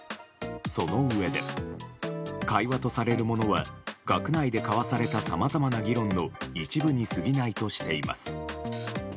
そのうえで、会話とされるものは学内で交わされたさまざまな議論の一部にすぎないとしています。